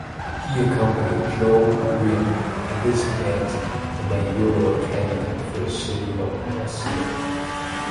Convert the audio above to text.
He accompanied Joan Ribó at this event, a mayoral candidate for the city of Valencia.